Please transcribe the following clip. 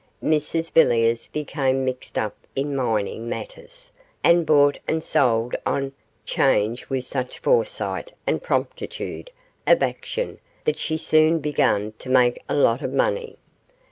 Mrs Villiers became mixed up in mining matters, and bought and sold on 'Change with such foresight and promptitude of action that she soon began to make a lot of money.